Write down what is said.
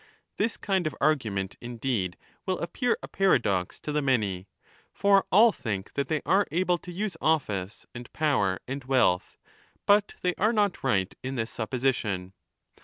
This kind of argument indeed will appear a paradox to the many. For all think that they are able to use office and power and wealth, but they are not right in this supposition.